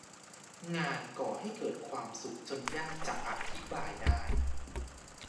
งานก่อให้เกิดความสุขจนยากจะอธิบายได้